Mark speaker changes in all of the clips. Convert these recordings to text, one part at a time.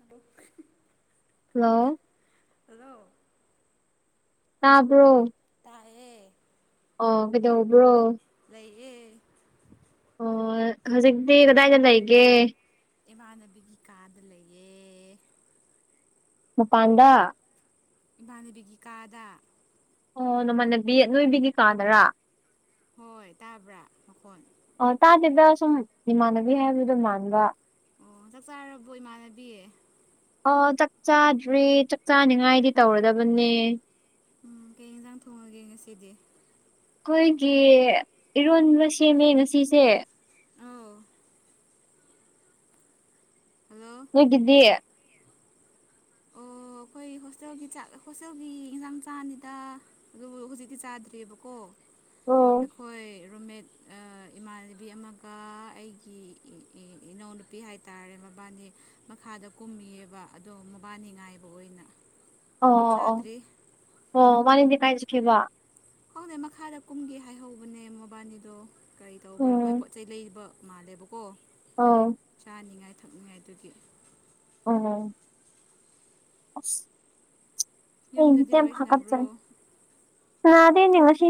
Speaker 1: ꯑꯣ
Speaker 2: hello
Speaker 1: hello
Speaker 2: ꯇꯕꯣ
Speaker 1: ꯇꯌꯦ
Speaker 2: ꯑꯣ ꯀꯩꯗ ꯎꯕ꯭ꯔꯣ
Speaker 1: ꯂꯩꯌꯦ
Speaker 2: ꯑꯣ ꯍꯧꯖꯤꯛꯗꯤꯒꯗꯒꯗ ꯑꯩ
Speaker 1: ꯏꯃꯥꯟꯅꯕꯤꯒꯤ ꯀꯥꯗ ꯂꯩꯌꯦ
Speaker 2: ꯃꯄꯥꯟꯗ
Speaker 1: ꯏꯃꯥꯟꯅꯕꯤꯒꯤ ꯀꯥꯗ
Speaker 2: ꯑꯣ ꯅꯃꯥꯟꯅꯕꯤ ꯅꯣꯏꯕꯤꯒꯤ ꯀꯥꯗꯔꯥ
Speaker 1: ꯍꯣꯏ ꯇꯥꯕ꯭ꯔꯥ ꯃꯀꯣꯟ
Speaker 2: ꯑ ꯇꯥꯗꯗ ꯁꯨꯝ ꯏꯃꯥꯟꯅꯕꯤ ꯍꯥꯏꯕꯗꯣ ꯃꯥꯟꯕ
Speaker 1: ꯑꯣ ꯆꯥꯛ ꯆꯥꯔꯕꯣ ꯏꯃꯥꯟꯅꯕꯤꯌꯦ
Speaker 2: ꯑꯣ ꯆꯥꯛ ꯆꯥꯗ꯭ꯔꯤ ꯆꯥꯛ ꯆꯥꯅꯤꯉꯥꯏꯗꯤ ꯇꯧꯔꯗꯕꯅꯦ
Speaker 1: ꯎꯝ ꯀꯩ ꯌꯦꯟꯖꯥꯡ ꯊꯣꯡꯉꯒꯦ ꯉꯁꯤꯗꯤ
Speaker 2: ꯑꯩꯈꯣꯏꯒꯤ ꯏꯔꯣꯟꯕ ꯁꯦꯝꯃꯦ ꯉꯁꯤꯁꯦ
Speaker 1: ꯑꯣ ꯍꯜꯂꯣ
Speaker 2: ꯅꯣꯏꯒꯤꯗꯤ
Speaker 1: ꯑꯣ ꯑꯩꯈꯣꯏ ꯍꯣꯁꯇꯦꯜꯒꯤ ꯆꯥꯛ ꯍꯣꯁꯇꯦꯜꯒꯤ ꯌꯦꯟꯁꯥꯡ ꯆꯥꯡꯅꯤꯗ ꯑꯗꯨꯕꯨ ꯍꯧꯖꯤꯛꯇꯤ ꯆꯥꯗ꯭ꯦꯕꯀꯣ
Speaker 2: ꯑꯣ
Speaker 1: ꯑꯩꯈꯣꯏ ꯔꯨꯝꯃꯦꯠ ꯏꯃꯥꯟꯅꯕꯤ ꯑꯃꯒ ꯑꯩꯒꯤ ꯏꯅꯥꯎꯅꯨꯄꯤ ꯍꯥꯏ ꯍꯥꯏꯇꯥꯔꯦ ꯃꯕꯥꯅꯤ ꯃꯈꯥꯗ ꯀꯨꯝꯃꯤꯌꯦꯕ ꯑꯗꯣ ꯃꯕꯥꯅꯤ ꯉꯥꯏꯕ ꯑꯣꯏꯅ
Speaker 2: ꯑꯣ ꯑꯣ ꯑꯣ
Speaker 1: ꯆꯥꯗ꯭ꯔꯤ
Speaker 2: ꯑꯣ ꯋꯥꯅꯤꯗꯤ ꯀꯥꯏꯖꯈꯤꯕ
Speaker 1: ꯍꯅꯦꯩ ꯃꯈꯥꯗ ꯀꯨꯝꯒꯦ ꯍꯥꯏꯍꯧꯕꯅꯦ ꯃꯣꯕꯥꯅꯤꯗꯣ ꯀꯔꯤ ꯇꯧꯕ꯭ꯔꯥ ꯃꯣꯏ
Speaker 2: ꯎꯝ
Speaker 1: ꯄꯣꯠ ꯆꯩ ꯂꯩꯔꯤꯕ ꯃꯥꯥꯂꯦꯕ ꯀꯣ
Speaker 2: [unintelligible]
Speaker 1: ꯆꯥꯅꯤꯡꯉꯥꯏ ꯊꯛꯅꯤꯡꯉꯥꯏꯗꯨꯒꯤ
Speaker 2: ꯑꯣ ꯑꯁ
Speaker 1: ꯌꯨꯝꯗꯗꯤ ꯋꯥꯔꯤ ꯁꯥꯟꯅꯕ꯭ꯔꯣ
Speaker 2: [unintelligible] ꯅꯥꯗꯦꯅꯦ ꯉꯁꯦ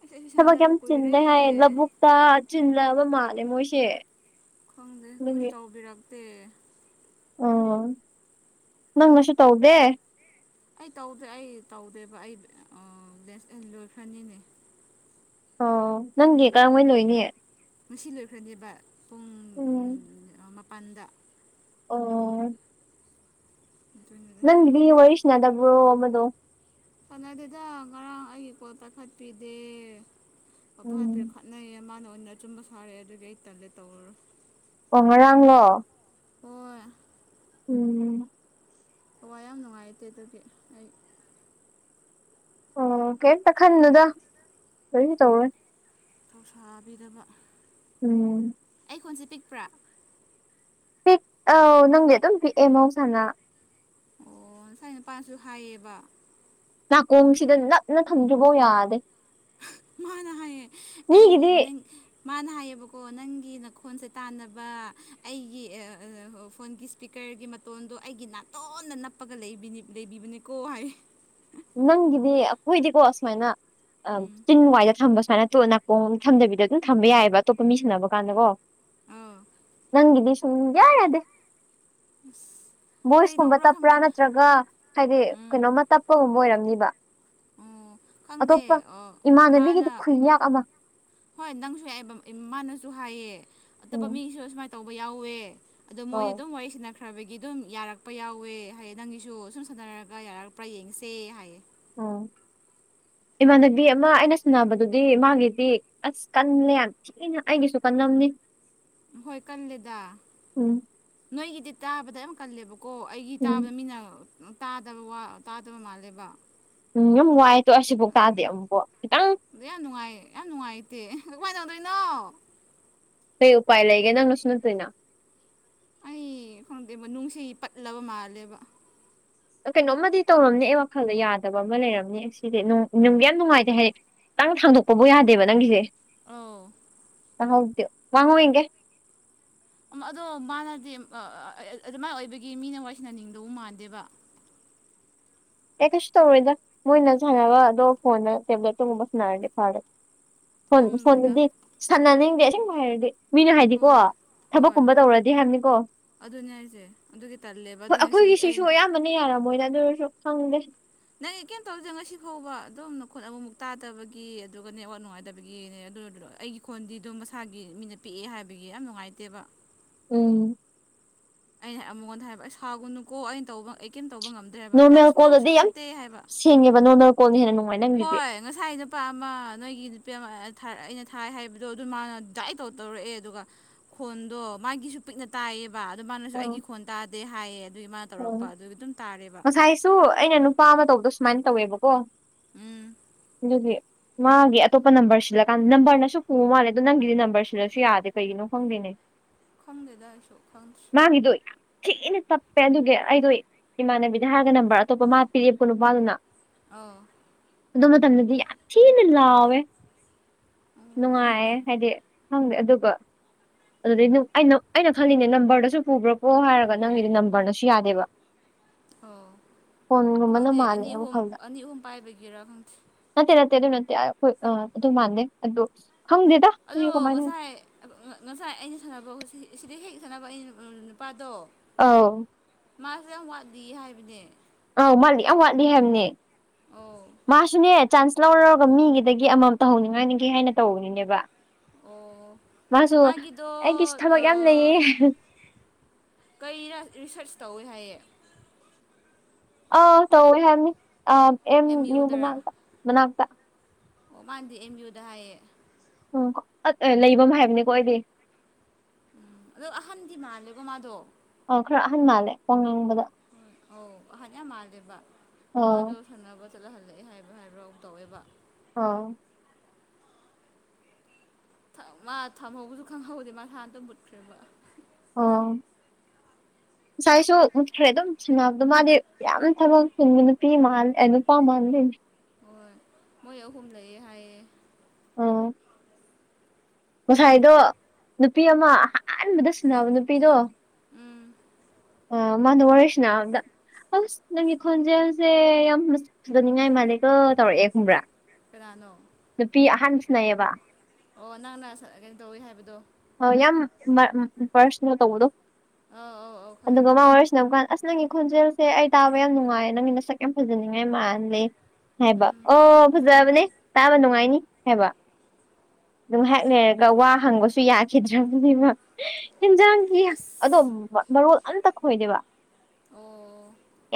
Speaker 1: ꯑꯁ ꯑꯩꯁꯨ
Speaker 2: ꯊꯕꯛ
Speaker 1: ꯁꯥꯟꯅꯗꯕ
Speaker 2: ꯌꯥꯝ
Speaker 1: ꯀꯨꯏꯔꯦ
Speaker 2: ꯆꯤꯟꯗꯦ ꯍꯥꯏꯌꯦ ꯂꯧꯕꯨꯛ ꯇꯥ ꯆꯤꯜꯂꯛꯑꯕ ꯃꯥꯜꯂꯦ ꯃꯣꯏꯁꯦ
Speaker 1: ꯈꯪꯗꯦ ꯑꯩꯈꯣꯏꯁꯨ
Speaker 2: ꯑꯗꯨꯒꯤ
Speaker 1: ꯇꯧꯕꯤꯔꯛꯇꯦ
Speaker 2: ꯑꯣ ꯅꯪꯅꯁꯨ ꯇꯧꯗꯦ
Speaker 1: ꯑꯩ ꯇꯧꯗꯦ ꯑꯩ ꯇꯧꯗꯦꯕ ꯑꯩ ꯂꯣꯏ ꯐ꯭ꯔꯅꯤꯅꯦ
Speaker 2: ꯑꯣ ꯅꯪꯒꯤ ꯀꯔꯍꯩ ꯂꯣꯏꯅꯦ
Speaker 1: ꯉꯁꯤ ꯂꯣꯏꯈ꯭ꯔꯅꯦꯕ ꯄꯨꯡ
Speaker 2: ꯎꯝ
Speaker 1: ꯃꯄꯜꯗ
Speaker 2: ꯑꯣ
Speaker 1: ꯑꯗꯨꯅꯅꯦ
Speaker 2: ꯅꯪꯗꯤ ꯑꯣꯔꯁꯅꯗꯕ꯭ꯔꯣ ꯑꯣꯃꯗꯨꯣ
Speaker 1: ꯁꯥꯟꯅ ꯑꯗꯨꯗ ꯉꯔꯥꯡ ꯑꯩꯒꯤ ꯄꯣꯠ ꯇꯥꯈꯠꯄꯤꯗꯦ ꯄꯣ
Speaker 2: ꯎꯝ
Speaker 1: ꯇꯥꯈꯠꯄꯤꯔ ꯅꯌꯦ ꯃꯥꯅ ꯑꯣꯏꯅ ꯑꯆꯨꯝꯕ ꯁꯥꯔꯛꯑꯦ ꯑꯗꯨꯒꯤ ꯑꯩ ꯇꯜꯂꯦ ꯇꯧꯔꯔꯣ
Speaker 2: ꯑꯣ ꯉꯔꯥꯡꯂꯣ
Speaker 1: ꯍꯣꯏ
Speaker 2: ꯎꯝ
Speaker 1: ꯊꯋꯥꯏ ꯌꯥꯝ ꯅꯨꯡꯉꯥꯏꯇꯦ ꯑꯗꯨꯒꯤ ꯑꯩ
Speaker 2: ꯑꯣ ꯀꯩꯝꯇ ꯈꯟꯗꯨꯗ ꯀꯔꯤꯁꯨ ꯇꯧꯔꯦꯏ
Speaker 1: ꯊꯧꯁꯥꯕꯤꯗꯕ
Speaker 2: ꯎꯝ
Speaker 1: ꯑꯩ ꯈꯣꯟꯁꯦ ꯄꯤꯛꯄ꯭ꯔꯥ
Speaker 2: ꯄꯤꯛ ꯑ ꯅꯪꯗꯤ ꯑꯗꯨꯝ ꯄꯤꯛꯑꯦ ꯃꯍꯧꯁꯥꯟꯅ
Speaker 1: ꯑꯣ ꯉꯁꯥꯏ ꯅꯨꯅꯤꯄꯥꯁꯨ ꯍꯥꯏꯌꯦꯕ
Speaker 2: ꯅꯥꯀꯣꯡꯁꯤꯗ ꯅꯞꯅ ꯊꯝꯗ꯭ꯔꯤꯐꯧ ꯌꯥꯗꯦ
Speaker 1: ꯃꯥꯅ ꯍꯥꯏꯌꯦ ꯑꯩꯒꯤ
Speaker 2: ꯃꯤꯒꯤꯗꯤ
Speaker 1: ꯅꯪ ꯃꯥꯅ ꯍꯥꯏꯌꯦꯕꯀꯣ ꯅꯪꯒꯤ ꯅꯈꯣꯟꯁꯦ ꯇꯥꯟꯅꯕ ꯑꯩꯒꯤ ꯐꯣꯟꯒꯤ ꯁꯄꯤꯀꯔꯒꯤ ꯃꯇꯣꯟꯗꯣ ꯑꯩꯒꯤ ꯅꯥꯇꯣꯟꯅ ꯅꯞꯄꯒ ꯂꯩꯕꯤꯕꯅꯤꯀꯣ ꯍꯥꯏ
Speaker 2: ꯅꯪꯒꯤꯗꯤ ꯑꯩꯈꯣꯏꯗꯤꯀꯣ ꯁꯨꯃꯥꯏꯅ ꯑ
Speaker 1: ꯎꯝ
Speaker 2: ꯇꯤꯟ ꯋꯥꯏꯗ ꯊꯝꯕ ꯁꯨꯃꯥꯏꯅ ꯇꯣ ꯈꯣꯡ ꯊꯝꯗꯕꯤꯗꯣ ꯑꯗꯨꯝ ꯊꯝꯕ ꯌꯥꯏꯑꯕ ꯑꯇꯣꯞꯄ ꯃꯤ ꯁꯟꯅꯅꯕ ꯀꯥꯟꯗ ꯀꯣ
Speaker 1: ꯑꯥ
Speaker 2: ꯒꯤꯗꯤ ꯁꯨꯝꯌꯥ ꯌꯥꯗꯦ ꯚꯣꯏꯁꯀꯨꯝꯕ
Speaker 1: ꯀꯩꯗꯧꯕ꯭ꯔꯥ
Speaker 2: ꯇꯞꯄ꯭ꯔꯥ
Speaker 1: ꯈꯪꯗꯦ
Speaker 2: ꯅꯠꯇ꯭ꯔꯒ ꯍꯥꯏꯗꯤ
Speaker 1: ꯎꯝ
Speaker 2: ꯀꯩꯅꯣꯝꯃ ꯇꯞꯄꯒꯨꯝꯕ ꯑꯣꯏꯔꯝꯅꯤꯕ
Speaker 1: ꯑꯣ ꯈꯪꯗꯦ
Speaker 2: ꯑꯇꯣꯞꯄ
Speaker 1: ꯑ ꯃꯥꯅ
Speaker 2: ꯏꯃꯥꯟꯅꯕꯤꯒꯤꯗꯤ ꯈꯨꯜꯌꯥꯛ ꯑꯃ
Speaker 1: ꯍꯣꯏ ꯅꯪꯁꯨꯃꯅꯁꯨ ꯍꯥꯏꯑ ꯑꯇꯣꯞꯄ
Speaker 2: ꯎꯝ
Speaker 1: ꯃꯤꯁꯨ ꯑꯁꯨꯃꯥꯏꯅ ꯇꯧꯕ ꯌꯥꯎꯋꯦ ꯑꯗꯣ ꯃꯣꯏꯗꯤ
Speaker 2: ꯑꯧ
Speaker 1: ꯑꯗꯨꯝ ꯋꯥꯔꯤ ꯁꯅꯈ꯭ꯔꯦ ꯈ꯭ꯔꯕꯒꯤ ꯑꯗꯨꯝ ꯌꯥꯔꯛꯄ ꯌꯥꯎꯋꯦ ꯍꯥꯏꯌꯦ ꯅꯪꯒꯤꯁꯨ ꯁꯨꯝ ꯁꯥꯟꯅꯔꯒ ꯌꯥꯔꯛꯄ꯭ꯔꯥ ꯌꯦꯡꯁꯦ ꯍꯥꯏꯌꯦ
Speaker 2: ꯎꯝ
Speaker 1: [inaudible] [inaudible]
Speaker 2: ꯏꯃꯥꯟꯅꯕꯤ ꯑꯃ ꯑꯩꯅ ꯁꯨꯅꯕꯗꯨꯗꯤ ꯃꯥꯒꯤꯗꯤ ꯑꯁ ꯀꯜꯂꯦ ꯩꯅ ꯑꯩꯒꯤꯁꯨ ꯀꯝꯅꯤ
Speaker 1: ꯍꯣꯏ ꯀꯜꯂꯦꯗ
Speaker 2: ꯎꯝ
Speaker 1: ꯅꯣꯏꯒꯤꯗꯤ ꯇꯥꯕꯗ ꯌꯥꯝ ꯀꯜꯂꯦꯕꯣ ꯀꯣ ꯑꯩꯒꯤ ꯇꯥꯕ
Speaker 2: ꯎꯝ
Speaker 1: ꯃꯤꯅ ꯇꯥꯗꯕ ꯇꯥꯗꯕ ꯃꯥꯜꯂꯦꯕ
Speaker 2: ꯎꯝ ꯌꯥꯝ ꯋꯥꯏꯗꯣ ꯑꯁꯤꯐꯥꯎ ꯇꯥꯗꯦ ꯑꯃꯨꯛꯐꯣꯛ ꯈꯤꯇꯪ
Speaker 1: ꯑꯗ ꯌꯥꯝ ꯅꯨꯡꯉꯥꯏ ꯌꯥꯝ ꯅꯨꯡꯉꯥꯏꯇꯦ ꯀꯃꯥꯏꯅ ꯇꯧꯗꯣꯏꯅꯣ
Speaker 2: ꯀꯩ ꯎꯄꯥꯏ ꯂꯩꯒꯦ ꯅꯪꯅꯁꯨ ꯅꯠꯇꯣꯏꯅ
Speaker 1: ꯑꯩ ꯈꯪꯗꯦꯕ ꯅꯨꯡꯁꯤ ꯄꯠꯂꯕ ꯃꯥꯜꯂꯦꯕ
Speaker 2: ꯀꯩꯅꯣꯝꯃꯗꯤ ꯇꯧꯔꯝꯅꯤ ꯑꯩ ꯋꯥꯈꯜꯗꯣ ꯌꯥꯗꯕ ꯑꯃ ꯂꯩꯔꯝꯅꯤ ꯁꯤꯁꯦꯅꯨꯡ ꯅꯨꯡꯒꯤ ꯌꯥꯝ ꯅꯨꯡꯉꯥꯏꯇꯦ ꯍꯥꯏꯗꯤ ꯈꯤꯇꯪ ꯊꯥꯡꯗꯣꯛꯄꯕꯨꯣ ꯌꯥꯗꯦꯕ ꯅꯪꯒꯤꯁꯦ
Speaker 1: ꯑ
Speaker 2: ꯍꯗꯦ ꯃꯥꯉꯨ ꯍꯦ
Speaker 1: ꯑꯗꯣ ꯃꯥꯅꯗꯤ ꯑꯗꯨꯃꯥꯏꯅ ꯑꯣꯏꯕꯒꯤ ꯃꯤꯅ ꯋꯥꯔꯤꯁꯤꯟꯅꯅꯤꯡꯗꯧ ꯃꯥꯟꯗꯦꯕ
Speaker 2: ꯑꯦ ꯀꯩꯁꯨ ꯇꯧꯔꯣꯏꯗ ꯃꯣꯏꯅ ꯁꯥꯟꯅꯅꯕ ꯑꯗꯣ ꯐꯣꯟꯗ ꯇꯦꯕ꯭ꯂꯦꯠꯇꯒꯨꯝꯕ ꯁꯥꯟꯅꯔꯗꯤ ꯐꯥꯔꯦ ꯐꯣꯟ
Speaker 1: ꯈꯪꯗꯦꯗ
Speaker 2: ꯐꯣꯟꯗꯗꯤ ꯁꯥꯟꯅꯅꯤꯡꯗꯦ ꯑꯁꯦꯡꯕ ꯍꯥꯏꯔꯗꯤ ꯃꯤꯅ ꯍꯥꯏꯗꯤꯀꯣ
Speaker 1: ꯍꯣꯏ ꯍꯣꯏ
Speaker 2: ꯊꯕꯛꯀꯨꯝꯕ ꯇꯧꯔꯗꯤ ꯍꯥꯏꯕꯅꯤꯀꯣ
Speaker 1: ꯑꯗꯨꯅꯦ ꯍꯥꯏꯁꯦ ꯑꯗꯨꯒꯤ ꯇꯜꯂꯦꯕ ꯑꯗꯨꯅꯦ ꯁꯤꯗꯤ ꯑꯩꯅ
Speaker 2: ꯃꯅ ꯌꯥꯔꯔꯕꯣꯏꯗ ꯑꯗꯨ ꯁ ꯈꯪꯗꯦ
Speaker 1: ꯅꯪ ꯀꯩꯅꯝꯇꯧꯗꯦ ꯉꯁꯤ ꯐꯥꯎꯕ ꯑꯗꯨꯝꯅꯈꯣꯠꯅꯕꯃꯨꯛ ꯇꯥꯗꯕꯒꯤ ꯑꯗꯨꯒꯅꯦꯋꯥꯠ ꯅꯨꯡꯉꯥꯏꯇꯕꯒꯤꯅꯦ ꯑꯗꯨ ꯂ ꯑꯩꯒꯤ ꯈꯣꯟꯗꯤ ꯑꯗꯨꯝ ꯃꯁꯥꯒꯤ ꯃꯤꯅ ꯄꯤꯛꯑꯦ ꯍꯥꯏꯕꯒꯤ ꯌꯥꯝ ꯅꯨꯡꯉꯥꯏꯇꯦꯕ
Speaker 2: ꯎꯝ
Speaker 1: ꯑꯩꯅ ꯑꯃꯛꯉꯣꯟꯗ ꯍꯥꯏꯕ ꯑꯩ ꯁꯥꯥꯎꯒꯨꯅꯨꯀꯣ ꯑꯩꯅ ꯇꯧꯕ ꯑꯩ ꯀꯔꯤꯝꯇ ꯇꯧꯕ ꯉꯝꯗ꯭ꯔꯦ ꯍꯥꯏꯕ ꯑꯩ ꯅꯪꯁꯨ ꯅꯪꯁꯨ ꯅꯠꯇꯦ ꯍꯥꯏꯕ
Speaker 2: ꯊꯦꯡꯉꯦꯕ ꯅꯣꯔꯃꯦꯜ ꯀꯣꯟꯅ ꯍꯦꯟꯅ ꯅꯨꯡꯉꯥꯏ ꯅꯪꯒꯤꯗꯤ
Speaker 1: ꯍꯣꯏ ꯉꯁꯥꯏ ꯅꯨꯄꯥ ꯑꯃ ꯅꯣꯏꯒꯤ ꯅꯨꯄꯤ ꯑꯃ ꯑꯩꯅ ꯊꯥꯏ ꯍꯥꯏꯕꯗꯣ ꯑꯗꯨ ꯃꯥꯅ ꯗꯥꯏꯠ ꯇꯧ ꯇꯧꯔꯛꯑꯦ ꯑꯗꯨꯒ ꯈꯣꯟꯗꯣ ꯃꯥꯒꯤꯁꯨ ꯄꯤꯛꯅ ꯇꯥꯏꯌꯦꯕ ꯑꯗꯨ ꯃꯥꯅꯁꯨ ꯑꯩꯒꯤ ꯈꯣꯟ ꯇꯥꯗꯦ ꯍꯥꯏꯌꯦ ꯑꯗꯨꯒꯤ ꯃꯥ
Speaker 2: ꯑꯣ ꯉꯁꯥꯏꯁꯨ ꯑꯩꯅ ꯅꯨꯄꯥ ꯑꯃ ꯇꯧꯕꯗꯣ ꯁꯨꯃꯥꯏꯅ ꯇꯧꯋꯦꯕꯀꯣ
Speaker 1: ꯎꯝ
Speaker 2: ꯑꯗꯨꯗꯒꯤ ꯃꯥꯒꯤ ꯑꯇꯣꯞꯄ ꯅꯝꯕꯔ ꯁꯤꯜꯂꯀꯥꯟꯗ ꯅꯝꯕꯔꯅꯁꯨ ꯄꯨꯕ ꯃꯥꯜꯦ ꯑꯗꯣ ꯅꯪꯗꯤ ꯅꯝꯕꯔ ꯁꯤꯜꯂꯁꯨ ꯌꯥꯗꯦ ꯀꯩꯒꯤꯅꯣ ꯈꯪꯗꯦꯅꯦ
Speaker 1: ꯈꯪꯗꯦꯗ ꯑꯩꯁꯨ ꯈꯪꯗ
Speaker 2: ꯗꯅꯤ ꯇꯞ ꯑꯦꯦ ꯑꯗꯨꯒꯤ ꯑꯩꯗꯣ ꯏꯃꯥꯟꯅꯕꯤꯗ ꯍꯥꯏꯔꯒ ꯅꯝꯕꯔ ꯑꯇꯣꯞꯄ ꯃꯥ ꯄꯤꯔꯞꯀꯣ ꯅꯨꯄꯥꯗꯨꯅ
Speaker 1: ꯑ
Speaker 2: ꯑꯗꯨ ꯃꯇꯝꯗꯗꯤ ꯌꯥꯝ ꯊꯤꯅ ꯂꯥꯎꯋꯦ ꯅꯨꯡꯉꯥꯏ ꯍꯥꯏꯗꯤ ꯍꯪꯦ ꯑꯗꯨꯒꯕ ꯑꯗꯨꯗꯩꯩꯅ ꯑꯩꯅ ꯈꯜꯂꯤꯅꯦ ꯅꯝꯕꯔꯗꯁꯨ ꯄꯨꯕ꯭ꯔꯥꯀꯣ ꯍꯥꯏꯔꯒ ꯅꯪꯒꯤꯗꯤ ꯅꯝꯕꯔꯅꯁꯨ ꯌꯥꯗꯦꯕ
Speaker 1: ꯑꯣ
Speaker 2: ꯐꯣꯟꯒꯨꯝꯕꯅ
Speaker 1: ꯈꯪꯗꯦ ꯑꯅꯤ
Speaker 2: ꯃꯥꯜꯂꯦ
Speaker 1: ꯑꯍꯨꯝ
Speaker 2: ꯋꯥꯈꯜꯗ
Speaker 1: ꯑꯅꯤ ꯑꯍꯨꯝ ꯄꯥꯏꯕꯒꯤꯔꯥ ꯈꯪꯗꯦ
Speaker 2: ꯅꯠꯇꯦ ꯅꯠꯇꯦ ꯑꯗꯨ ꯅꯠꯇꯦ ꯑꯩꯈꯣꯏ ꯑ ꯑꯗꯨ ꯃꯥꯟꯅꯩ ꯑꯗꯨꯗꯣ ꯈꯪꯗꯦꯗ
Speaker 1: ꯑꯗꯣ
Speaker 2: ꯑꯩꯁꯨ ꯀꯃꯥꯏꯅ
Speaker 1: ꯉꯁꯥꯏ ꯉꯁꯥꯏ ꯑꯩꯅ ꯁꯥꯟꯅꯕ ꯁꯤꯗ ꯍꯦꯛ ꯁꯥꯟꯅꯕ ꯑꯩ ꯅꯨꯄꯥꯗꯣ
Speaker 2: ꯑꯥꯎ
Speaker 1: ꯃꯥꯁꯨ ꯌꯥꯝ ꯋꯥꯠꯂꯤ ꯍꯥꯏꯕꯅꯦ
Speaker 2: ꯑꯥꯎ ꯃꯥꯠꯂꯤ ꯌꯥꯝ ꯋꯥꯠꯂꯤ ꯍꯥꯏꯕꯅꯦ
Speaker 1: ꯑꯣ
Speaker 2: ꯃꯥꯁꯨꯅꯦ ꯆꯥꯟꯁ ꯂꯧꯔ ꯂꯧꯔꯒ ꯃꯤꯒꯤꯗꯒꯤ ꯑꯃꯃꯝ ꯇꯧꯍꯧꯅꯤꯡꯉꯥꯏꯅꯤꯒꯦ ꯍꯥꯏꯅ ꯇꯧꯕꯅꯤꯅꯦꯕ
Speaker 1: ꯑꯣ
Speaker 2: ꯃꯥꯁꯨ
Speaker 1: ꯃꯥꯒꯤꯗ
Speaker 2: ꯑꯩꯒꯤꯁꯨ ꯊꯕꯛ ꯌꯥꯝ ꯂꯩꯌꯦ
Speaker 1: ꯀꯩ ꯔꯤꯁꯔꯁ ꯇꯧꯋꯦ ꯍꯥꯏꯌꯦ
Speaker 2: ꯑ ꯇꯧꯋꯦ ꯍꯥꯏꯕꯃꯤ ꯑ ꯑꯦꯝ ꯌꯨ ꯃꯅꯥꯛꯇ ꯃꯅꯥꯛꯇ
Speaker 1: ꯑꯣ ꯃꯥꯗꯤ ꯑꯦꯝ ꯌꯨꯗ ꯍꯥꯏꯌꯦ
Speaker 2: ꯎꯝ ꯂꯩꯕꯝ ꯍꯥꯏꯕꯅꯤꯀꯣ ꯑꯩꯗꯤ
Speaker 1: ꯎꯝ ꯑꯗꯣ ꯑꯍꯟꯗꯤ ꯃꯥꯜꯂꯦꯀꯣ ꯃꯥꯗꯣ
Speaker 2: ꯑ ꯈꯔ ꯑꯍꯟ ꯃꯥꯜꯂꯦ ꯋꯥ ꯉꯥꯡꯕꯗ
Speaker 1: ꯑꯣ ꯑꯍꯟ ꯌꯥꯝ ꯃꯥꯜꯂꯦꯕ
Speaker 2: ꯑꯥ
Speaker 1: ꯃꯥꯗꯨ ꯈꯅꯕ ꯆꯠꯂꯍꯜꯂꯛꯑꯦ ꯍꯥꯏꯕ ꯍꯥꯏꯕ ꯇꯧꯋꯦꯕ
Speaker 2: ꯑꯥꯎ
Speaker 1: ꯃꯥ ꯊꯝꯍꯧꯕꯁꯨ ꯈꯪꯍꯧꯗꯦ ꯃꯥꯁ ꯍꯥꯟꯇ ꯃꯨꯠꯈ꯭ꯔꯦꯕ
Speaker 2: ꯑꯣ
Speaker 1: [inaudible]
Speaker 2: ꯉꯁꯥꯏꯁꯨ ꯃꯨꯠꯈ꯭ꯔꯦ ꯑꯗꯨꯝ ꯊꯤꯅꯕꯗꯣ ꯃꯥꯗꯤ ꯌꯥꯝ ꯊꯕꯛ ꯊꯤꯟꯕ ꯅꯨꯄꯤ ꯑꯃ ꯅꯨꯄꯥ ꯃꯜꯂꯤꯅꯤ
Speaker 1: ꯍꯣꯏ ꯃꯣꯏ ꯑꯍꯨꯝ ꯂꯩꯛꯑꯦ ꯍꯥꯏꯌꯦ
Speaker 2: ꯑꯣ ꯉꯁꯥꯏꯗꯣ ꯅꯨꯄꯤ ꯑꯃ ꯑꯍꯥꯟꯕꯗ ꯁꯅꯕ ꯅꯨꯄꯤꯗꯣ
Speaker 1: ꯎꯝ
Speaker 2: ꯑ ꯃꯗꯣ ꯋꯥꯔꯤ ꯁꯅꯕꯗ ꯑꯁ ꯅꯪꯒꯤ ꯈꯣꯟꯖꯦꯜꯁꯦ ꯌꯥꯝ ꯐꯨꯖꯅꯤꯡꯉꯥꯏ ꯃꯥꯂꯒ ꯇꯧꯔꯛꯑꯦ ꯈꯨꯝꯕ꯭ꯔꯥ
Speaker 1: ꯀꯥꯅꯅꯣ
Speaker 2: ꯅꯨꯄꯤ ꯑꯍꯟꯕ ꯁꯤꯅꯩꯌꯦꯕ
Speaker 1: ꯑꯣ ꯅꯪꯅ ꯀꯩꯅꯣ ꯇꯧꯋꯤ ꯍꯥꯏꯕꯗꯣ
Speaker 2: ꯑꯣ ꯌꯥꯝ ꯄꯔꯁꯅꯦꯟ ꯇꯧꯕꯗꯣ
Speaker 1: ꯑꯧ ꯑꯧ ꯑꯧ ꯈꯪꯉꯦ ꯈꯪꯉꯦ
Speaker 2: ꯍꯪꯕꯀꯥꯟ ꯑꯁ ꯅꯪꯒꯤ ꯈꯣꯟꯖꯦꯜꯁꯦ ꯑꯩ ꯇꯥꯕ ꯌꯥꯝ ꯅꯨꯡꯉꯥꯏꯌꯦ ꯅꯪ ꯃꯤ ꯃꯁꯛ ꯌꯥꯝ ꯐꯖꯅꯤꯡꯉꯥꯏ ꯃꯥꯜꯂꯦ ꯍꯥꯏꯕ ꯑꯣ ꯐꯖꯕꯅꯦ ꯇꯥꯕ ꯅꯨꯡꯉꯥꯏꯅꯤ ꯍꯥꯏꯕ ꯑꯗꯨꯝ ꯍꯦꯛ ꯂꯩꯔꯒ ꯋꯥ ꯍꯪꯕꯁꯨ ꯌꯥꯈꯤꯗ꯭ꯔꯕꯅꯤꯕ ꯌꯦꯟꯖꯥꯡꯗꯤ ꯑꯗꯣ ꯃꯔꯣꯜ ꯑꯝꯇ ꯈꯣꯏꯗꯦꯕ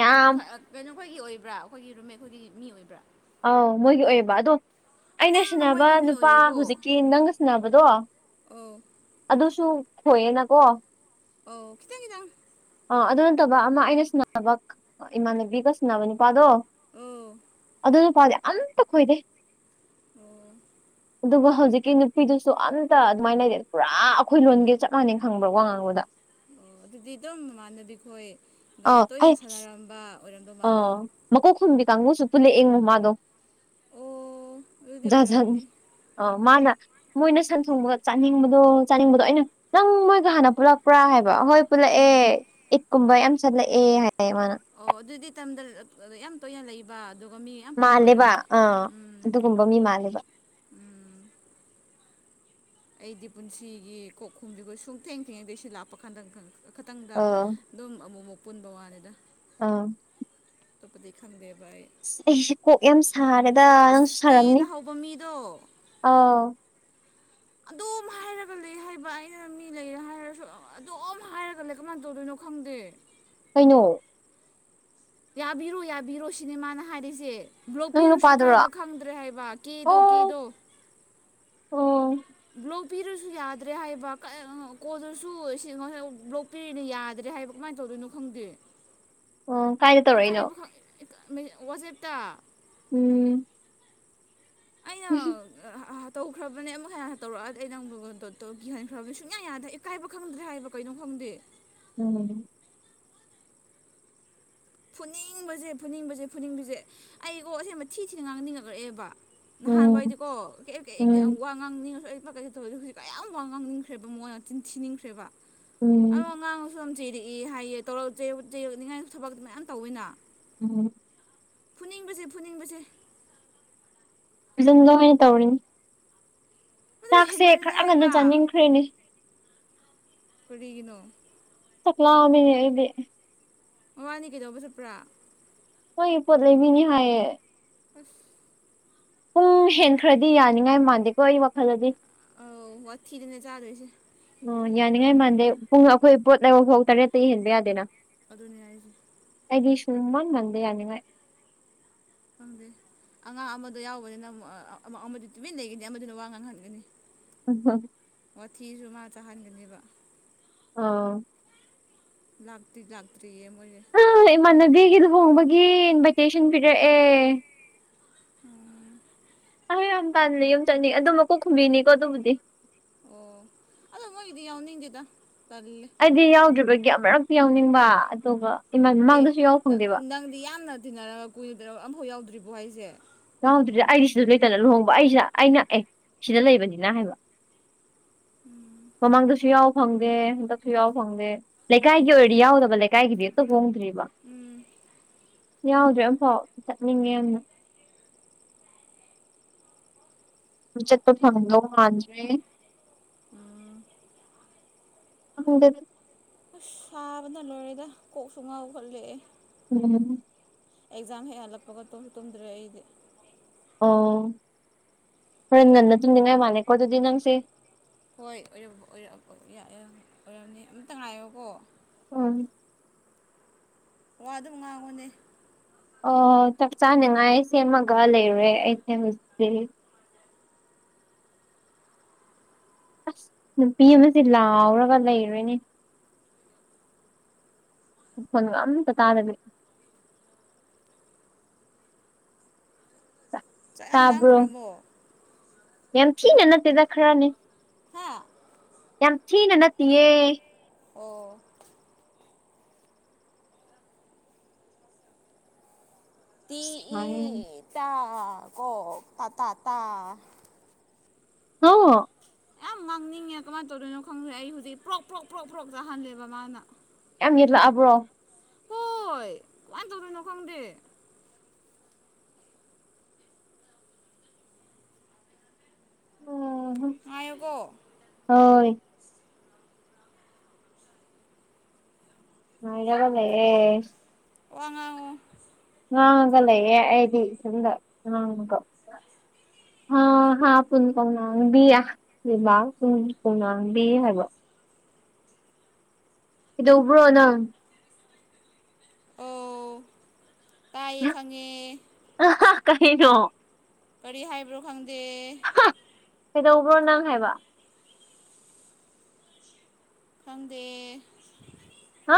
Speaker 2: ꯌꯥꯝ
Speaker 1: ꯀꯩꯅꯣ ꯑꯩꯈꯣꯏꯒꯤ ꯑꯣꯏꯕ꯭ꯔꯥ ꯑꯩꯈꯣꯏꯒꯤ ꯔꯨꯝꯃꯦꯠ ꯈꯣꯏꯒꯤ ꯃꯤ ꯑꯣꯏꯕ꯭ꯔꯥ
Speaker 2: ꯑꯧ ꯃꯣꯏꯒꯤ ꯑꯣꯏꯌꯦꯕ ꯑꯗꯣ ꯑꯩꯅ
Speaker 1: ꯑꯅꯝꯕ
Speaker 2: ꯁꯥꯟꯅꯕ
Speaker 1: ꯃꯣꯏꯒꯤ ꯃꯤ
Speaker 2: ꯅꯨꯄꯥ
Speaker 1: ꯑꯣꯏꯌꯦꯀꯣ
Speaker 2: ꯍꯧꯖꯤꯛꯀꯤ ꯅꯪꯒ ꯁꯅꯕꯗꯣ
Speaker 1: ꯑꯧ
Speaker 2: ꯑꯗꯨꯁꯨ ꯈꯣꯏꯌꯦꯅꯀꯣ
Speaker 1: ꯑꯧ ꯈꯤꯇꯪ ꯈꯤꯇꯪ
Speaker 2: ꯑ ꯑꯗꯨ ꯅꯠꯇꯕ ꯑꯃ ꯑꯩꯅ ꯁꯅꯕ ꯏꯃꯥꯟꯅꯕꯤꯒ ꯁꯅꯕ ꯅꯨꯄꯥꯗꯣ
Speaker 1: ꯑꯝ
Speaker 2: ꯑꯗꯨꯢ ꯅꯨꯄꯥꯗꯣ ꯑꯝꯇ ꯀꯣꯏꯗꯦ
Speaker 1: ꯑꯣ
Speaker 2: ꯑꯗꯨꯒ ꯍꯧꯖꯤꯛꯀꯤ ꯅꯨꯄꯤꯗꯨꯁꯨ ꯑꯝꯇ ꯑꯗꯨꯃꯥꯏꯅ ꯂꯩꯔꯦ ꯄꯨꯔꯥ ꯑꯩꯈꯣꯏ ꯂꯣꯟꯒꯤ ꯆꯞ ꯃꯥꯟꯅꯩ ꯈꯪꯕ꯭ꯔꯥ ꯋꯥ ꯉꯥꯡꯕꯗ
Speaker 1: ꯑꯣ ꯑꯗꯨꯗꯤ ꯑꯗꯨꯝ ꯃꯃꯥꯟꯅꯕꯤꯈꯣꯏꯒ ꯇꯣꯏꯅ ꯁꯥꯟꯅꯔꯝꯕ ꯑꯣꯏꯔꯝꯗꯧ
Speaker 2: ꯑ
Speaker 1: ꯃꯥꯜꯂꯦ
Speaker 2: ꯃꯀꯣꯛ ꯈꯨꯝꯕꯤ ꯀꯥꯡꯕꯨꯁꯨ ꯄꯨꯜꯂꯛ ꯌꯦꯉꯣ ꯃꯥꯗꯣ
Speaker 1: ꯑꯣ ꯑꯗꯨꯗꯤ
Speaker 2: [inaudible]
Speaker 1: ꯑꯣꯏꯔꯝꯅꯤ
Speaker 2: ꯑ ꯃꯥꯅ ꯃꯣꯏꯅ ꯁꯟ ꯊꯣꯡꯕꯒ ꯆꯥꯅꯤꯡꯕꯗꯣ ꯆꯥꯅꯤꯡꯕꯗꯣ ꯑꯩꯅ ꯅꯪ ꯃꯣꯏꯒ ꯍꯥꯟꯅ ꯄꯨꯂꯞ ꯄꯔꯥ ꯍꯥꯏꯕ ꯍꯣꯏ ꯄꯨꯜꯂꯛꯑꯦ
Speaker 1: ꯎꯝ
Speaker 2: ꯏꯛꯀꯨꯝꯕ ꯌꯥꯝ ꯆꯠꯂꯛꯑꯦ ꯍꯥꯏ ꯃꯥꯅ
Speaker 1: ꯑꯣ ꯑꯗꯨꯗꯤ ꯇꯝꯗ ꯌꯥꯝ ꯇꯣꯏꯅ ꯂꯩꯕ ꯑꯗꯨꯒ ꯃꯤ ꯌꯥꯝ ꯄꯨꯟꯕ
Speaker 2: ꯃꯥꯜꯂꯦꯕ
Speaker 1: ꯑꯣꯏꯔꯝꯅꯤ
Speaker 2: ꯑꯥ
Speaker 1: ꯎꯝ
Speaker 2: ꯑꯗꯨꯒꯨꯝꯕ ꯃꯤ ꯃꯥꯜꯂꯦꯕ
Speaker 1: ꯑꯩꯗꯤ ꯄꯨꯟꯁꯤꯒꯤ ꯀꯣꯛꯈꯨꯝꯁꯤꯒ ꯁꯨꯡꯊꯦꯡ ꯊꯦꯡꯅꯗꯦ ꯁꯤ ꯂꯥꯛꯄ ꯀꯥꯟꯗ ꯈꯇꯪꯗ
Speaker 2: ꯑꯥ
Speaker 1: ꯑꯗꯨꯝ ꯑꯃꯨ ꯃꯨꯛ ꯄꯨꯟꯕꯩ ꯋꯥꯅꯤꯗ
Speaker 2: ꯑꯥ
Speaker 1: ꯑꯇꯣꯞꯄꯗꯤ ꯈꯪꯗꯦꯕ ꯑꯩ
Speaker 2: ꯑꯁ ꯑꯩꯁꯦ ꯀꯣꯛ ꯌꯥꯝ ꯁꯥꯔꯦꯗ ꯅꯪꯁꯨ
Speaker 1: ꯑꯁ
Speaker 2: ꯁꯥꯔꯝꯅꯤ
Speaker 1: ꯀꯦꯅ ꯍꯧꯕ ꯃꯤꯗꯣ
Speaker 2: ꯑ
Speaker 1: ꯑꯗꯨꯝ ꯍꯥꯏꯔꯒ ꯈꯥ ꯂꯩ ꯍꯩꯕ ꯑꯩꯅ ꯃꯤ ꯂꯩꯔꯦ ꯍꯥꯏꯔꯁꯨ ꯑꯗꯨꯝ ꯍꯥꯏꯔꯒ ꯂꯩ ꯀꯃꯥꯏꯅ ꯇꯧꯗꯣꯏꯅꯣ ꯈꯪꯗꯦ
Speaker 2: ꯀꯩꯅꯣ
Speaker 1: ꯌꯥꯕꯤꯔꯣ ꯌꯥꯕꯤꯔꯣ ꯁꯤꯅꯦ ꯃꯥꯅ ꯍꯥꯏꯔꯤꯁꯦ ꯕ꯭ꯂꯣꯛ
Speaker 2: ꯅꯪ
Speaker 1: ꯄꯤꯔꯁꯨ
Speaker 2: ꯅꯨꯄꯥꯗꯨꯔꯣ
Speaker 1: ꯏꯀꯥꯏꯕ ꯈꯪꯗ꯭ꯔꯦ ꯍꯥꯏꯕ ꯀꯦꯗꯣ
Speaker 2: ꯑꯣ
Speaker 1: ꯀꯦꯗꯣ
Speaker 2: ꯑꯣ
Speaker 1: ꯕ꯭ꯂꯣꯛ ꯄꯤꯔꯁꯨ ꯌꯥꯗ꯭ꯔꯦ ꯍꯥꯏꯕ ꯀꯣꯜꯗꯨꯁꯨ ꯕ꯭ꯂꯣꯛ ꯄꯤꯔꯁꯨ ꯌꯥꯗ꯭ꯔꯦ ꯍꯥꯏꯕ ꯀꯃꯥꯏꯅ ꯇꯧꯗꯣꯏꯅꯣ ꯈꯪꯗꯦ
Speaker 2: ꯑꯣ ꯀꯥꯏ
Speaker 1: ꯏꯀꯥꯏꯕ ꯋꯥꯖꯦꯠꯇ
Speaker 2: ꯎꯝ
Speaker 1: ꯑꯩꯅ ꯇꯧꯈ꯭ꯔꯕꯅꯦ ꯑꯃꯨꯛ ꯍꯦꯟꯅ ꯇꯧꯔꯛꯑꯗꯤ ꯑꯩ ꯅꯪ ꯗꯣꯠꯇꯣ ꯀꯤꯍꯟꯈ꯭ꯔꯕꯅꯦ ꯁꯨꯡꯌꯥ ꯌꯥꯗꯦ ꯢꯀꯥꯏꯕ ꯈꯪꯗ꯭ꯔꯦ ꯍꯥꯏꯕ ꯀꯩꯅꯣ ꯈꯪꯗꯦ
Speaker 2: ꯎꯝ
Speaker 1: ꯐꯨꯅꯤꯡꯕꯁꯦ ꯐꯨꯅꯤꯡꯕꯁꯦ ꯐꯨꯅꯤꯡꯕꯁꯦ ꯑꯩꯒꯣ ꯑꯁꯦꯡꯕ ꯊꯤ ꯊꯤꯅ ꯉꯥꯡꯅꯤꯡꯉꯔꯛꯑꯦꯕ ꯅꯍꯥꯟ
Speaker 2: ꯎꯝ
Speaker 1: ꯋꯥꯢꯗꯤꯒꯣ ꯀꯩꯀꯩ
Speaker 2: ꯎꯝ
Speaker 1: ꯋꯥ ꯉꯥꯡꯅꯤꯡꯉꯁꯨ ꯑꯩꯀꯩꯗ ꯇꯧꯔꯤꯗꯦ ꯍꯧꯖꯤꯛ ꯀꯌꯥꯝ ꯉꯥꯡꯅꯤꯡꯈ꯭ꯔꯦꯕ ꯃꯣꯏꯅ ꯆꯤꯟ ꯊꯤꯅꯤꯡꯈ꯭ꯔꯦꯕ
Speaker 2: ꯎꯝ
Speaker 1: ꯑꯗꯣ ꯑ ꯉꯥꯡꯉꯁꯨ ꯌꯥꯝ ꯆꯤꯔꯛꯏ ꯍꯥꯏꯌꯦꯣꯛꯅꯤꯡꯉꯥꯏ ꯊꯕꯛꯇ ꯃꯌꯥꯝ ꯇꯧꯋꯤꯅ
Speaker 2: ꯎꯝ
Speaker 1: ꯐꯨꯅꯤꯡꯕꯁꯦ ꯐꯨꯅꯤꯡꯕꯁꯦ
Speaker 2: ꯑꯗꯨꯟ ꯂꯣꯅꯦ ꯇꯧꯅꯤ [inaudible]
Speaker 1: ꯑꯗꯨ
Speaker 2: ꯆꯥꯛꯁꯦ
Speaker 1: ꯍꯦꯟꯃꯜꯂꯦ
Speaker 2: ꯈꯔ ꯉꯟꯅ
Speaker 1: ꯍꯥꯏꯕ
Speaker 2: ꯆꯥꯅꯤꯡꯈ꯭ꯔꯦꯅꯦ
Speaker 1: ꯀꯔꯤꯒꯤꯅꯣ
Speaker 2: ꯆꯥꯛ ꯂꯥꯝꯃꯦꯍꯦ ꯑꯩꯗꯤ
Speaker 1: ꯃꯕꯥꯟꯅꯤ ꯀꯩꯗꯧꯕ ꯆꯠꯄ꯭ꯔꯥ
Speaker 2: ꯃꯣꯏꯒꯤ ꯄꯣꯠ ꯂꯩꯕꯤꯅꯤ ꯍꯥꯏꯌꯦ
Speaker 1: ꯑꯁ
Speaker 2: ꯄꯨꯡ ꯍꯦꯟ ꯈ꯭ꯔꯗꯤ ꯌꯥꯅꯤꯡꯉꯥꯏ ꯃꯥꯟꯗꯦꯀꯣ ꯑꯩ ꯋꯥꯈꯜꯗꯗꯤ
Speaker 1: ꯑꯧ ꯋꯥꯊꯤꯗꯅꯦ ꯆꯥꯗꯣꯏꯁꯦ
Speaker 2: ꯑꯣ ꯌꯥꯅꯤꯡꯉꯥꯏ ꯃꯥꯟꯗꯦ ꯄꯨꯡ ꯑꯩꯈꯣꯏ ꯄꯣꯠ ꯂꯩꯕ ꯐꯥꯎ ꯇꯔꯦꯠꯇꯒꯤ ꯍꯦꯟꯕ ꯌꯥꯗꯦꯅ
Speaker 1: ꯑꯗꯨꯅꯦ ꯍꯥꯏꯖꯦ
Speaker 2: ꯑꯩꯗꯤ ꯁꯨꯡꯃꯟ ꯃꯥꯟꯗꯦ ꯌꯥꯅꯤꯡꯉꯥꯏ
Speaker 1: ꯐꯪꯗꯦ ꯑꯉꯥꯡ ꯑꯃꯗꯨ ꯌꯥꯎꯕꯅꯤꯅ ꯑꯃ ꯑꯃꯗꯤ ꯇꯨꯃꯤꯟ ꯂꯩꯒꯅꯤ ꯑꯃꯗꯨꯅ ꯋꯥ ꯉꯥꯡꯍꯟꯒꯅꯤ
Speaker 2: ꯎꯝ ꯍ
Speaker 1: ꯋꯥꯊꯤꯖꯨ ꯃꯥ ꯆꯥꯍꯟꯒꯅꯦꯕ
Speaker 2: ꯑꯧ
Speaker 1: ꯂꯥꯛꯇ꯭ꯔꯤ ꯂꯥꯛꯇ꯭ꯔꯤꯌꯦ ꯃꯣꯏꯖꯦ
Speaker 2: ꯍ ꯏꯃꯥꯟꯅꯕꯤꯒꯤ ꯂꯍꯣꯡꯕꯒꯤ ꯢꯟꯕꯥꯢ ꯇꯦꯁꯟ ꯄꯤꯔꯛ ꯑꯦ ꯑ ꯌꯥꯝ ꯇꯜꯂꯦ ꯌꯨꯝ ꯆꯠꯅꯤ ꯑꯗꯨ ꯃꯀꯣꯛ ꯈꯨꯝꯕꯤꯅꯤꯀꯣ ꯑꯗꯨꯕꯨꯗꯤ
Speaker 1: ꯑꯣ ꯑꯗꯣ ꯃꯣꯏꯒꯤꯗꯤ ꯌꯥꯎꯅꯤꯡꯗꯦꯗ ꯇꯜꯂꯦ
Speaker 2: ꯑꯩꯗꯤ ꯌꯥꯎꯗ꯭ꯔꯤꯕꯒꯤ ꯑꯃꯨꯔꯛꯇꯤ ꯌꯥꯎꯅꯤꯡꯕ ꯑꯗꯨꯒ ꯏꯃꯥꯟ
Speaker 1: ꯑꯦ
Speaker 2: ꯃꯃꯥꯡꯗꯁꯨ ꯌꯥꯎ ꯐꯪꯗꯦꯕ
Speaker 1: ꯅꯪꯗꯤ ꯌꯥꯝꯅ ꯇꯤꯟꯅꯔꯒ ꯀꯨꯏꯗ ꯑꯝꯐꯥꯎ ꯌꯥꯎꯗ꯭ꯔꯤꯕꯣ ꯍꯥꯏꯖꯦ
Speaker 2: ꯌꯥꯎꯗ꯭ꯔꯤꯗ ꯑꯩꯗꯤ ꯁꯤꯗꯁꯨ ꯂꯩꯇꯅ ꯂꯨꯍꯣꯡꯕ ꯑꯩꯁꯤꯗ ꯑꯩꯅ ꯑꯦ ꯁꯤꯗ ꯂꯩꯕꯅꯤꯅ ꯍꯥꯏꯕ ꯃꯃꯥꯡꯗꯁꯨ ꯌꯥꯎ ꯐꯪꯗꯦ ꯍꯟꯗꯛꯁꯨ ꯌꯥꯎ ꯐꯪꯗꯦ ꯂꯩꯀꯥꯏꯒꯤ ꯑꯣꯏꯔꯗꯤ ꯌꯥꯎꯒꯕ ꯂꯩꯀꯥꯏꯒꯤꯗꯤ ꯑꯝꯇ ꯍꯣꯡꯗ꯭ꯔꯤꯕ
Speaker 1: ꯎꯝ
Speaker 2: ꯌꯥꯎꯗ꯭ꯔꯤ ꯑꯃꯥꯝꯐꯥꯎ ꯆꯠꯅꯤꯡꯉꯦ ꯌꯥꯝꯅ ꯆꯠꯄ ꯐꯪꯗꯧ ꯃꯥꯟꯗ꯭ꯔꯦ [unintelligible]
Speaker 1: ꯑꯁ ꯁꯥꯕꯅ ꯂꯣꯏꯔꯦꯗ ꯀꯣꯛꯁꯨ ꯉꯥꯎꯈꯠꯂꯛꯑꯦ
Speaker 2: ꯎꯝ
Speaker 1: ꯑꯦꯛꯖꯥꯝ ꯍꯦꯛ ꯍꯜꯂꯛꯄꯒ ꯇꯨꯝ ꯇꯨꯝꯗ꯭ꯔꯦ ꯑꯩꯗꯤ
Speaker 2: ꯑꯣ ꯍꯣꯔꯦꯟ ꯉꯟꯅ ꯇꯨꯝꯅꯤꯡꯉꯥꯏ ꯃꯥꯜꯂꯦꯀꯣ ꯑꯗꯨꯗꯤ ꯅꯪꯁꯦ
Speaker 1: ꯍꯣꯏ ꯑꯣꯏꯔꯞ ꯑꯣꯢꯔꯞ ꯑꯣꯢꯕꯌꯥꯏꯌꯦ ꯑꯣꯢꯔꯝꯅꯤ ꯑꯝꯇ ꯉꯥꯏꯌꯣꯀꯣ
Speaker 2: ꯎꯝ
Speaker 1: ꯋꯥ ꯑꯗꯨꯝ ꯉꯥꯡꯉꯨꯅꯦ
Speaker 2: ꯑꯣ ꯆꯥꯛ ꯆꯥꯅꯤꯡꯉꯥꯏ ꯁꯦꯝꯃꯒ ꯂꯩꯔꯦ ꯑꯩꯁꯦ ꯍꯧꯖꯤꯛꯇꯤ ꯑꯁ ꯅꯨꯄꯤ ꯑꯃꯖꯦ ꯂꯥꯎꯔꯒ ꯂꯩꯔꯦꯅꯦ ꯃꯈꯣꯟꯒ ꯑꯝꯇ ꯇꯥꯗꯕꯤ
Speaker 1: ꯆꯥꯛ ꯌꯥꯝ
Speaker 2: ꯇꯕ꯭ꯔꯣ
Speaker 1: ꯂꯥꯝꯈ꯭ꯔꯕꯣ
Speaker 2: ꯌꯥꯝ ꯊꯤꯅ ꯅꯠꯇꯦꯗ ꯈꯔꯅꯤ
Speaker 1: ꯍꯥ
Speaker 2: ꯌꯥꯝ ꯊꯤꯅ ꯅꯠꯇꯤꯌꯦ
Speaker 1: ꯑꯣ ꯇꯤ
Speaker 2: ꯍꯥ
Speaker 1: ꯏ ꯇ ꯀꯣ ꯇ ꯇ ꯇꯥ
Speaker 2: ꯍꯧ
Speaker 1: ꯌꯥꯝ ꯉꯥꯡꯅꯤꯡꯉꯦ ꯀꯃꯥꯏꯅ ꯇꯧꯗꯣꯏꯅꯣ ꯈꯪꯗ꯭ꯔꯦ ꯑꯩ ꯍꯧꯖꯤꯛ ꯄ꯭ꯔꯣꯛ ꯄ꯭ꯔꯣꯛ ꯄ꯭ꯔꯣꯛ ꯄ꯭ꯔꯣꯛ ꯆꯥꯛꯍꯜꯂꯦꯕ ꯃꯥꯅ
Speaker 2: ꯌꯥꯝ ꯌꯦꯠꯂꯛꯑꯕ꯭ꯔꯣ
Speaker 1: ꯍꯣꯏ ꯀꯃꯥꯏꯅ ꯇꯧꯗꯣꯏꯅꯣ ꯈꯪꯗꯦ ꯉꯥꯢꯑꯣꯀꯣ
Speaker 2: ꯍꯣꯏ ꯥꯉꯥꯏꯔꯒ ꯂꯩꯌꯦ
Speaker 1: ꯋꯥꯉ
Speaker 2: ꯑꯒꯂ ꯍꯥꯏꯗꯤ ꯆꯒ ꯍ ꯍꯥ ꯄꯨꯨꯟ ꯀꯧꯅꯕꯤꯌꯥ ꯂꯩꯕꯨꯡ ꯀꯨꯡꯅꯥꯥꯡꯕꯤ ꯍꯥꯏꯕ ꯏ ꯎꯕ꯭ꯔꯣ ꯅꯪ
Speaker 1: ꯑꯣ ꯇꯥꯏꯌꯦ ꯐꯪꯉꯦ
Speaker 2: ꯑ ꯀꯅꯣ
Speaker 1: ꯀꯔꯤ ꯍꯥꯏꯕ꯭ꯔꯣ ꯈꯪꯗꯦ
Speaker 2: ꯀꯩꯗꯧꯕ꯭ꯔꯣ ꯅꯪ ꯍꯥꯏꯕ
Speaker 1: ꯈꯪꯗꯦ
Speaker 2: ꯍꯥ